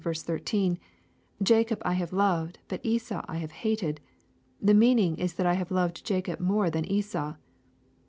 13, * Jacob have I loved, but Esau have I hated,' the meaning is that 1 have loved Jacob more than Esau.